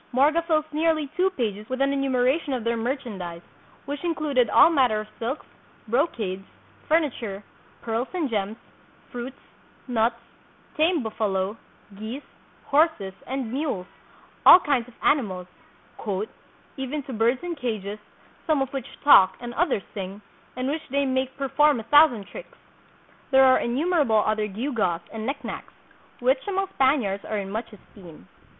Morga fills nearly two pages with an enumeration of their merchandise, which included all manner of silks, brocades, furniture, pearls and gems, fruits, nuts, tame buffalo, geese, horses and mules, all kinds of animals, "even to birds in cages, some of which talk and others sing, and which they make per 174 THE PHILIPPINES. form a thousand tricks; there are innumerable other gew gaws and knickknacks, which among Spaniards are in much esteem."